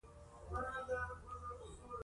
تخته یو ځل بیا و څرخېدل، د سیند غاړې ته مې.